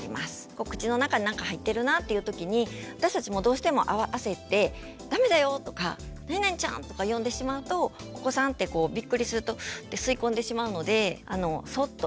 お口の中に何か入ってるなっていう時に私たちもどうしても焦って「ダメだよ！」とか「なになにちゃん！」とか呼んでしまうとお子さんってビックリするとスッて吸い込んでしまうのでそうっと